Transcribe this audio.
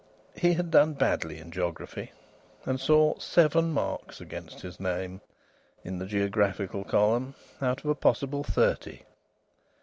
He had done badly in geography, and saw seven marks against his name, in the geographical column, out of a possible thirty.